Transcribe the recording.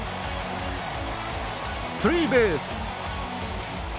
スリーベース。